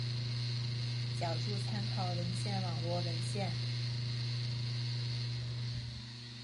脚注参考文献网络文献